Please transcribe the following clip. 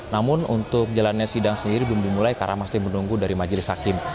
namun untuk jalannya sidang sendiri belum dimulai karena masih menunggu dari majelis hakim